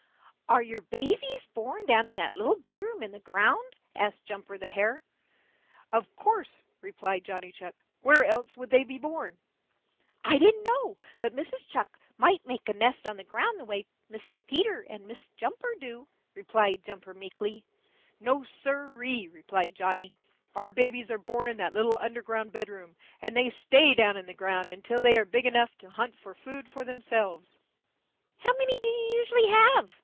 "Are your babies born down in that little bedroom in the ground?" asked Jumper the Hare. "Of course," replied Johnny Chuck. "Where else would they be born?" "I didn't know but Mrs. Chuck might make a nest on the ground the way Mrs. Peter and Mrs. Jumper do," replied Jumper meekly. "No, siree!" replied Johnny. "Our babies are born in that little underground bedroom, and they stay down in the ground until they are big enough to hunt for food for themselves." "How many do you usually have?"